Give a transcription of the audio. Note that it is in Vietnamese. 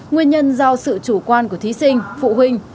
nguyên nhân do sự chủ quan của thí sinh phụ huynh